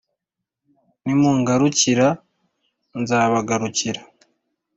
Nimungarukira nzabagarukira